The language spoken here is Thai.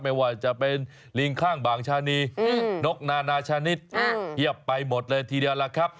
ไม่ว่าจะเป็นลิงข้างบางชานีนกนานาชนิดเพียบไปหมดเลยทีเดียวล่ะครับ